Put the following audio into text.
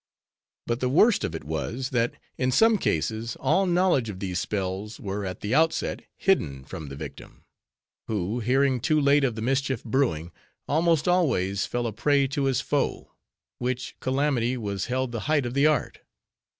But the worst of it was, that in some cases all knowledge of these spells were at the outset hidden from the victim; who, hearing too late of the mischief brewing, almost always fell a prey to his foe; which calamity was held the height of the art.